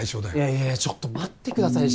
いやいやちょっと待ってください